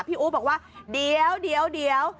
อู๋บอกว่าเดี๋ยว